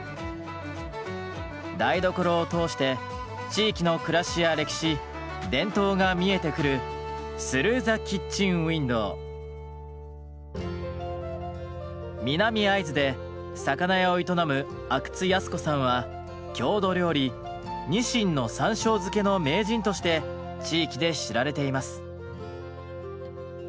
台所を通して地域の暮らしや歴史伝統が見えてくる南会津で魚屋を営む郷土料理「にしんの山しょう漬け」の名人として地域で知られています。